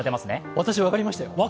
私、分かりましたよ。